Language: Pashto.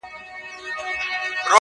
زما سر نه شو خلاص